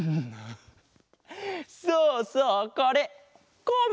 そうそうこれコマ！